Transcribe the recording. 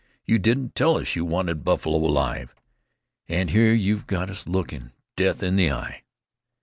You didn't tell us you wanted buffalo alive. And here you've got us looking death in the eye!"